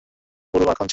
এটা তো পুরো মাখন ছিল।